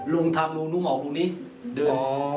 ลุงทางลุงออกลุงนี้เดิน